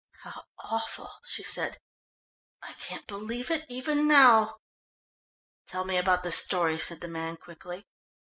"How awful," she said. "I can't believe it even now." "Tell me about the story," said the man quickly.